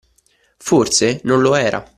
Forse, non lo era.